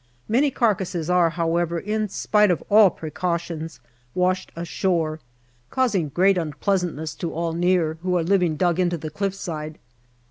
Many carcasses are, however, in spite of all precautions, washed ashore, causing great unpleasantness to all near who are living dug into the cliff side.